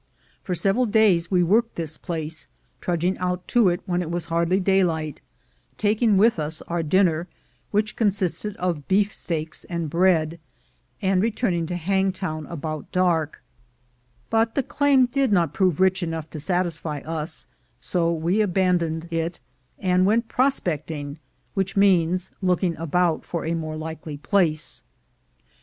^For several days we worked this place, trudging out lo it when it was hardly daylight, taking with us our dinner, which consisted of beefsteaks and bread, and return ing to Hangtown about dark; but the claim did not prove rich enough to satisfy us, so we abandoned it, and went "prospecting," which means looking about for a more likely place.